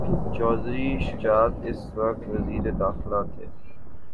چوہدری شجاعت اس وقت وزیر داخلہ تھے۔